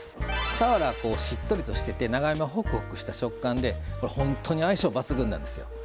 さわらはしっとりとしてて長芋はホクホクした食感でこれ本当に相性抜群なんですよ。